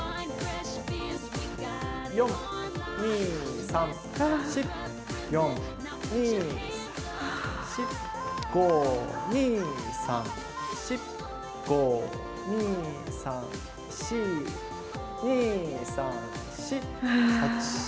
４、２、３、４４、２、３、４５、２、３、４、５、２、３、４２、３、４、８、２、３。